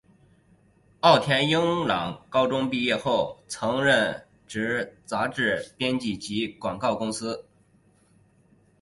奥田英朗高中毕业后曾任职杂志编辑及广告公司。